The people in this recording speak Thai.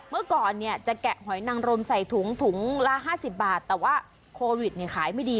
เมื่อก่อนเนี่ยจะแกะหอยนังรมใส่ถุงถุงละ๕๐บาทแต่ว่าโควิดขายไม่ดี